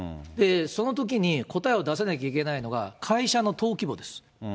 そのときに、答えを出さなきゃいけないのが会社の登記簿です。